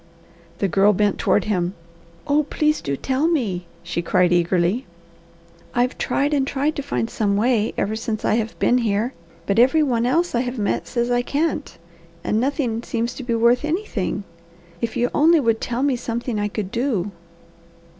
The Girl bent toward him. "Oh please do tell me!" she cried eagerly. "I've tried and tried to find some way ever since I have been here, but every one else I have met says I can't, and nothing seems to be worth anything. If you only would tell me something I could do!"